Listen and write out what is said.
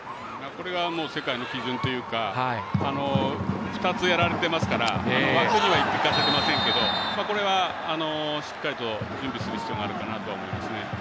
これが世界の基準というか２つやられてますから枠にはいかせてませんけどこれはしっかりと準備する必要があるかなと思います。